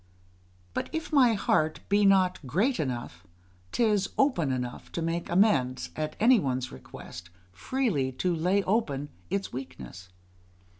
But if my heart be not great enough, 'tis open enough to make amends, at any one's request, freely to lay open its weakness.